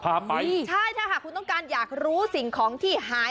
พาไปใช่ถ้าหากคุณต้องการอยากรู้สิ่งของที่หาย